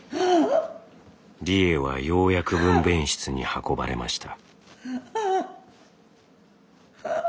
理栄はようやく分べん室に運ばれました。